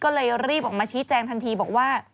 ก็เลยรีบออกมาชี้แจงทันทีบอกว่า